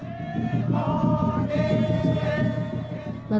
membentuk lingkaran dengan gerakan tari sederhana yang berpolong